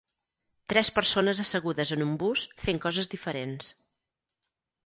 Tres persones assegudes en un bus fent coses diferents.